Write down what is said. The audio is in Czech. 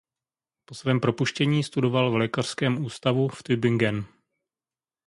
Po svém propuštění studoval v lékařském ústavu v Tübingen.